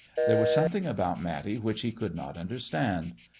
There was something about Matty which he could not understand.